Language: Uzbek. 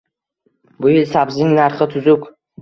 Bu yil sabzining narxi tuzuk.